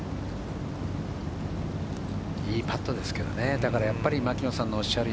いいパットですけどね。